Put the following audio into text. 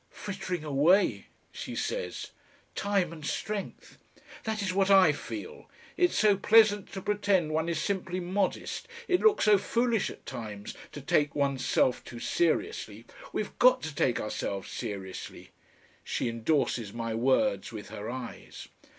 "Frittering away," she says, "time and strength." "That is what I feel. It's so pleasant to pretend one is simply modest, it looks so foolish at times to take one's self too seriously. We've GOT to take ourselves seriously." She endorses my words with her eyes.